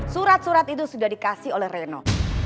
surat surat itu sudah dikasih oleh reno